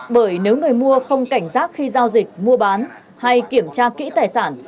bởi nếu người mua không cảnh giác khi giao dịch mua bán hay kiểm tra kỹ tài sản